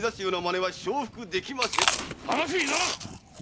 話にならん！